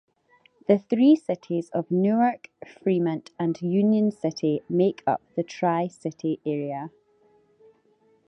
The three cities of Newark, Fremont, and Union City make up the "Tri-City" area.